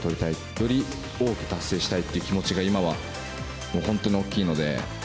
より多く達成したいって気持ちが今は本当に大きいので。